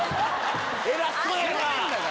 ⁉偉そうやな。